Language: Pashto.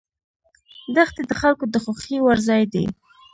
دښتې د خلکو د خوښې وړ ځای دی.